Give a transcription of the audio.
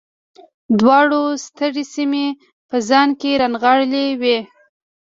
دواړو سترې سیمې په ځان کې رانغاړلې وې